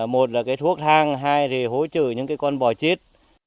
một là cái thuốc hang hai thì hỗ trợ những cái con bò chết